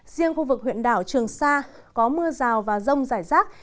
riêng khu vực huyện đảo trường sa có mưa rào và rông rải rác